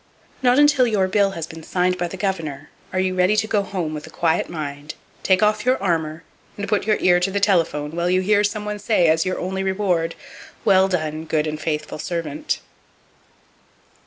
Not until your bill has been signed by the governor are you ready to go home with a quiet mind, take off your armor, and put your ear to the telephone while you hear some one say as your only reward,—"Well done, good and faithful servant."